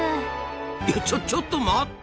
いやちょちょっと待った！